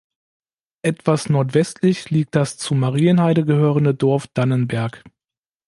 Etwas nordwestlich liegt das zu Marienheide gehörende Dorf Dannenberg.